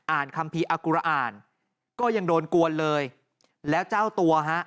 คัมภีร์อากุระอ่านก็ยังโดนกวนเลยแล้วเจ้าตัวฮะ